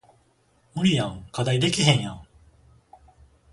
無理やん課題できへんやん